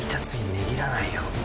値切らないよ